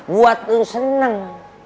buat lo seneng